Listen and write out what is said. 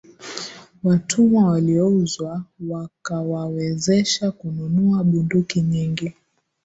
Watumwa waliouzwa wakawawezesha kununua bunduki nyingi